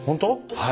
はい。